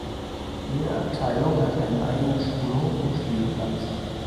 Jede Abteilung hat einen eigenen Schulhof und Spielplatz.